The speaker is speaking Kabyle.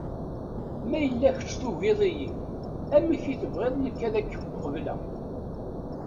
Ma yella kečč tugiḍ-iyi, amek i tebɣiḍ nekk ad k-qebleɣ.